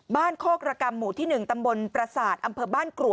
โคกระกรรมหมู่ที่๑ตำบลประสาทอำเภอบ้านกรัว